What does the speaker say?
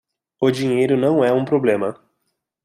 O dinheiro não é um problema